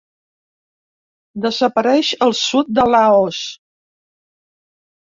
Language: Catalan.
Desapareix el sud de Laos.